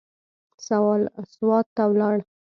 سوات ته ولاړ.